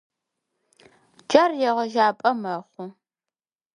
Джар егъэжьапӏэ мэхъу.